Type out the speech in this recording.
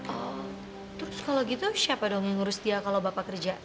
terus kalau gitu siapa dong yang ngurus dia kalau bapak kerja